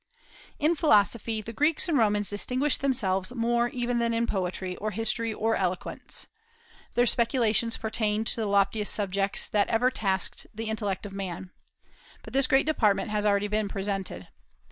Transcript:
In philosophy the Greeks and Romans distinguished themselves more even than in poetry, or history, or eloquence. Their speculations pertained to the loftiest subjects that ever tasked the intellect of man. But this great department has already been presented.